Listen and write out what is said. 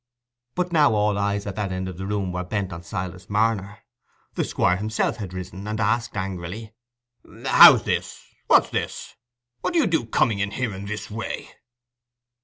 But now all eyes at that end of the room were bent on Silas Marner; the Squire himself had risen, and asked angrily, "How's this?—what's this?—what do you do coming in here in this way?"